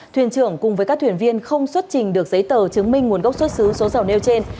thuyền trưởng cùng với các thuyền viên không xuất trình được giấy tờ chứng minh nguồn gốc xuất xứ số dầu nêu trên